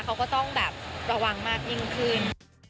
เขาก็ต้องแบบระวังมากยิ่งขึ้น